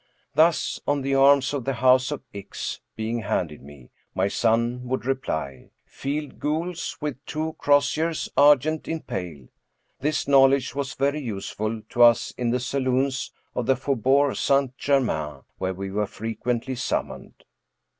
Thus, on the arms of the house of X being handed me, my son would reply :" Field gules, with two croziers ar gent in pale." This knowledge was very useful to us in the salons of the Faubourg Saint Germain, where we were fre quently summoned.